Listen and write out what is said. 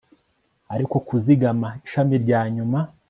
Ariko kuzigama ishami rya nyuma